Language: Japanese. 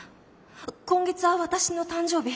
今月は私の誕生日。